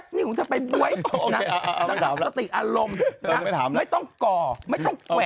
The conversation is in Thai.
เห็นได้ยินไม่ชัดไง